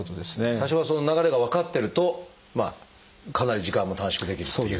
最初からその流れが分かってるとまあかなり時間も短縮できるっていう。